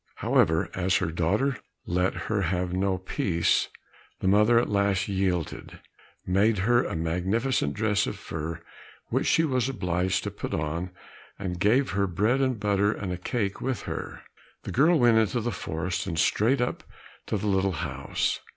However, as her daughter let her have no peace, the mother at last yielded, made her a magnificent dress of fur, which she was obliged to put on, and gave her bread and butter and cake with her. The girl went into the forest and straight up to the little house.